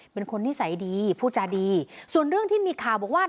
เป็นคนนิสัยดีพูดจาดีส่วนเรื่องที่มีข่าวบอกว่า